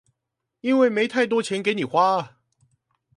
因為沒太多錢給你花